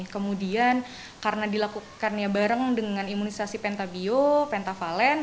kemudian karena dilakukannya bareng dengan imunisasi pentabio pentavalent